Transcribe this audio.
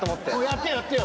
やってよやってよ。